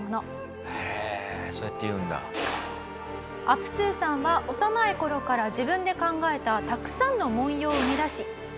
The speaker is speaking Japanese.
アプスーさんは幼い頃から自分で考えたたくさんの文様を生み出し。